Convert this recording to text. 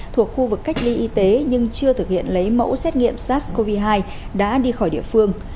thuộc khu vực cách ly y tế nhưng chưa thực hiện lấy mẫu xét nghiệm sars cov hai đã đi khỏi địa phương